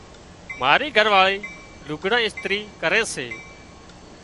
مارِي گھرواۯِي لُگھڙان اِسترِي ڪري سي۔